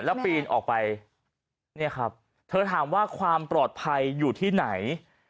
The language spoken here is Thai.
แล้วปีนออกไปเนี่ยครับเธอถามว่าความปลอดภัยอยู่ที่ไหน